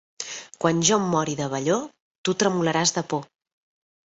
Quan jo em mori de vellor tu tremolaràs de por.